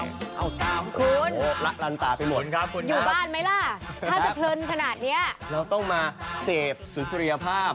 คุณคุณครับคุณครับอยู่บ้านไหมล่ะถ้าจะเพลินขนาดเนี้ยเราต้องมาเสพสุริยภาพ